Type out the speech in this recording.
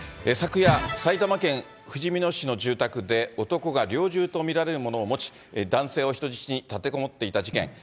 昨夜、埼玉県ふじみ野市の住宅で、男が猟銃と見られるものを持ち、男性を人質に立てこもっていた事件。